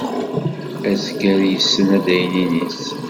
Azger yessen adaynin-is.